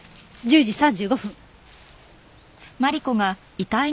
１０時３５分。